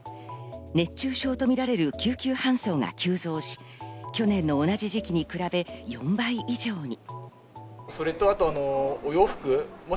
熱中症とみられる救急搬送が急増し、去年の同じ時期に比べ４倍以上に。